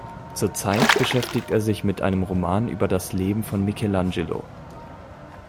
Zur Zeit beschäftigt er sich mit einem Roman über das Leben von Michelangelo.